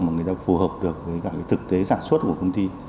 mà người ta phù hợp được với cả thực tế sản xuất của công ty